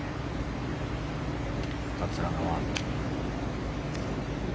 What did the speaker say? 桂川。